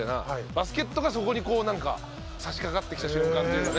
バスケットがそこにこうなんか差しかかってきた瞬間っていうかね。